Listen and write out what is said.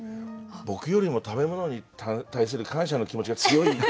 僕よりも食べ物に対する感謝の気持ちが強い。